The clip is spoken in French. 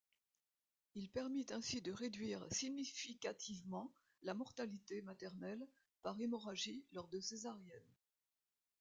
Il permit ainsi de réduire significativement la mortalité maternelle par hémorragies lors de césariennes.